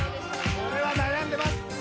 これは悩んでます